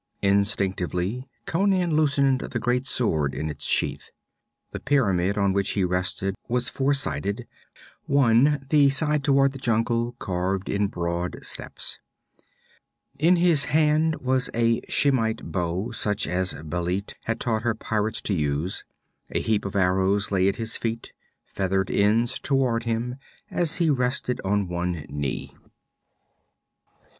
Instinctively Conan loosened the great sword in its sheath. The pyramid on which he rested was four sided, one the side toward the jungle carved in broad steps. In his hand was a Shemite bow, such as Bêlit had taught her pirates to use. A heap of arrows lay at his feet, feathered ends towards him, as he rested on one knee.